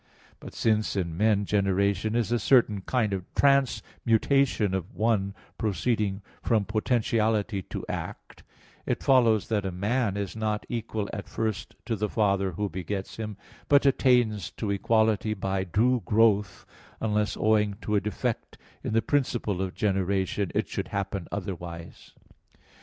But since in men generation is a certain kind of transmutation of one proceeding from potentiality to act, it follows that a man is not equal at first to the father who begets him, but attains to equality by due growth, unless owing to a defect in the principle of generation it should happen otherwise.